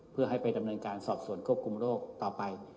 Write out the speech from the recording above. เพื่อให้ไปดำเนินการสอบส่วนควบคุมโรคต่อไป